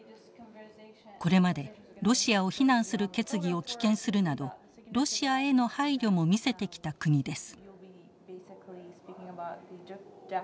これまでロシアを非難する決議を棄権するなどロシアへの配慮も見せてきた国です。